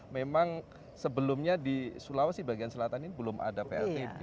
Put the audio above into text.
memang sebelumnya di sulawesi bagian selatan ini belum ada pltb